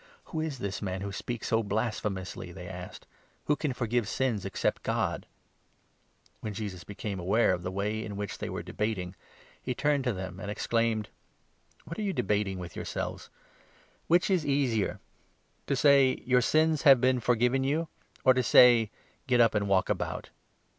"Who is this man who speaks so blasphemously?" they asked. " Who can forgive sins except God ?" When Jesus became aware of the way in which they were 22 debating, he turned to them and exclaimed : "What are you debating with yourselves? Which is the 23 easier ?— to say ' Your sins have been forgiven you '? or to say ' Get up, and walk about